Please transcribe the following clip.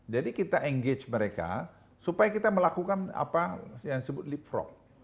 jadi kita engage mereka supaya kita melakukan apa yang seharusnya kita lakukan maka kita bisa memiliki obat obatan yang terbaik untuk kita